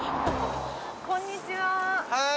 こんにちは。